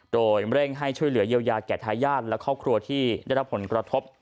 โดยเร่งให้ช่วยเหลือเยียวยาแก่ทายาทและครอบครัวที่ได้รับผลกระทบ